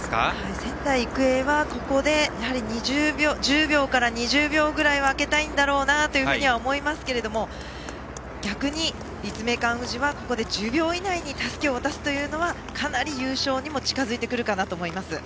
仙台育英はここで１０秒から２０秒ぐらい開けたいんだろうと思いますけれども逆に、立命館宇治はここで１０秒以内にたすきを渡すというのはかなり優勝にも近づいてくるかなと思います。